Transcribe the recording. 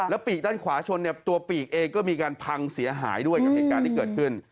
ปีกด้านขวาชนเนี่ยตัวปีกเองก็มีการพังเสียหายด้วยกับเหตุการณ์ที่เกิดขึ้น